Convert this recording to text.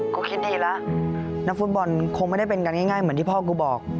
ก็คิดเองแล้วนักฟุตบอลคงไม่ได้เป็นกันง่ายเหมือนที่พ่อกูบอก